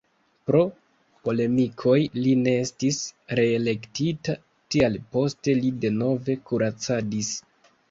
Pro polemikoj li ne estis reelektita, tial poste li denove kuracadis.